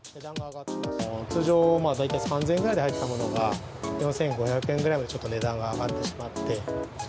通常、３０００円くらいで入ったものが４５００円ぐらいまで値段が上がってしまった。